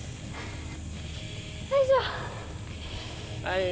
よいしょ。